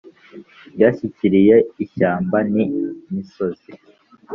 ryashyikiriye ishyambani misozi.